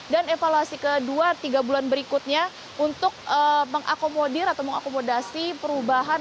dan evaluasi kedua tiga bulan berikutnya untuk mengakomodir atau mengakomodasi perubahan